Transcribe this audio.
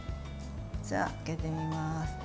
じゃあ開けてみます。